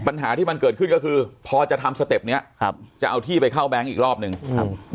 ปัญหาที่มันเกิดขึ้นก็คือพอจะทำสเต็ปเนี้ยครับจะเอาที่ไปเข้าแบงค์อีกรอบหนึ่งครับ